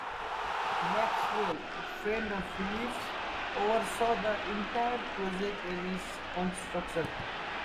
Maxwell, a friend of Phillips, oversaw the entire project and its construction.